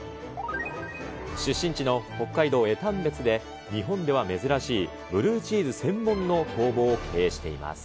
出身地の北海道江丹別で、日本では珍しいブルーチーズ専門の工房を経営しています。